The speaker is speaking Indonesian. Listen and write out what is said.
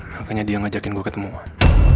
makanya dia ngajakin gue ketemuan